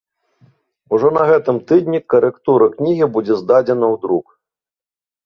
Ужо на гэтым тыдні карэктура кнігі будзе здадзена ў друк.